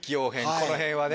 この辺はね